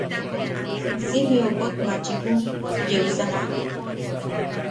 Si jiokot machiku yeu sajak.